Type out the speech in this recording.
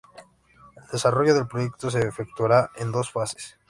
El desarrollo del proyecto se efectuará en dos fases.